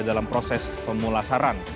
dalam proses pemulasaran